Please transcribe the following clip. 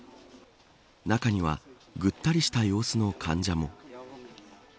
中にはぐったりした様子の患者も。